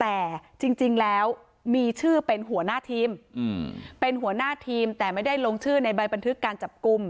แต่จริงแล้วมีชื่อเป็นหัวหน้าทีมเป็นหัวหน้าทีมแต่ไม่ได้ลงชื่อในใบบันทึกการจับกลุ่ม